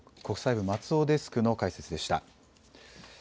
国際部、松尾デスクの解説でした。